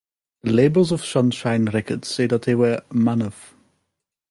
The labels of Sunshine Records say that they were Manuf.